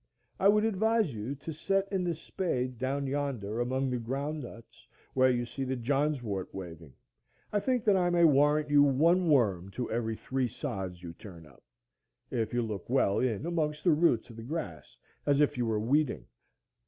I would advise you to set in the spade down yonder among the ground nuts, where you see the johnswort waving. I think that I may warrant you one worm to every three sods you turn up, if you look well in among the roots of the grass, as if you were weeding.